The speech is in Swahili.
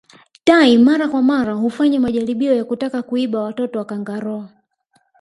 Tai mara kwa mara hufanya majaribio ya kutaka kuiba watoto wa kangaroo